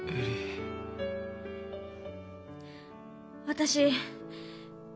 私。